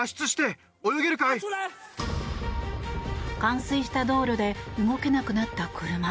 冠水した道路で動けなくなった車。